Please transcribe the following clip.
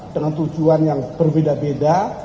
dengan tujuan yang berbeda beda